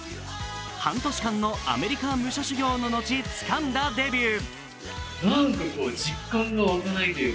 半年間のアメリカ武者修行ののちつかんだデビュー。